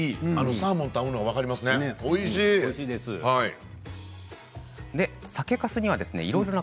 サーモンと合うのが分かりますね。